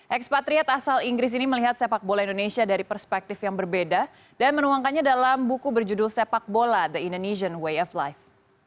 ekspatriat asal inggris ini melihat sepak bola indonesia dari perspektif yang berbeda dan menuangkannya dalam buku berjudul sepak bola the indonesian way of life